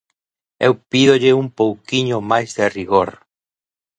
Eu pídolle un pouquiño máis de rigor.